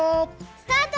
スタート！